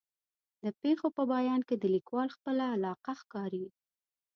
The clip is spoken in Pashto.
د پېښو په بیان کې د لیکوال خپله علاقه ښکاري.